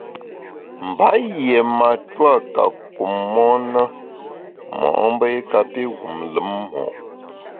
Mba yié matua ka kum mon na mo’mbe i kapi wum lùm mo’.